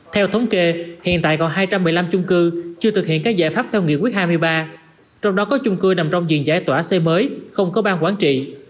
theo thống kê hiện tại còn hai trăm một mươi năm chung cư chưa thực hiện các giải pháp theo nghị quyết hai mươi ba trong đó có chung cư nằm trong diện giải tỏa xây mới không có bang quản trị